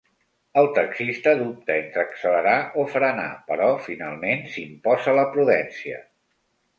El taxista dubta entre accelerar o frenar, però finalment s'imposa la prudència.